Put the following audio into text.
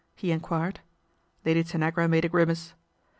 " he en quired. Lady Tanagra made a grimace.